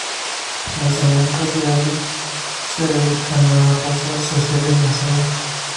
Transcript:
Las dominicas de Albi se dedican a la pastoral social y de la salud.